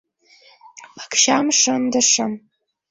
Пакчам шындышым.